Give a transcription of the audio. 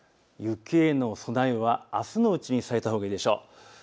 雪への備えはあすのうちにされたほうがいいでしょう。